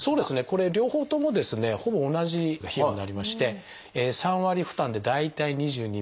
これ両方ともですねほぼ同じ費用になりまして３割負担で大体２２万円程度です。